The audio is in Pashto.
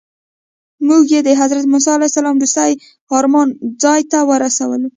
موږ یې د حضرت موسی علیه السلام وروستي ارام ځای ته ورسولو.